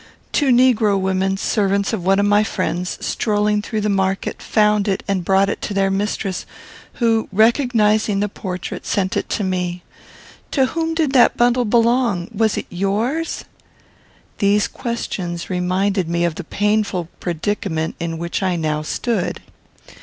Two negro women, servants of one of my friends, strolling through the market, found it and brought it to their mistress, who, recognising the portrait, sent it to me. To whom did that bundle belong? Was it yours?" These questions reminded me of the painful predicament in which I now stood.